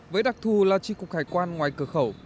với đặc thù là tri cục hải quan ngoài cửa khẩu